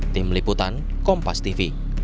tim liputan kompas tv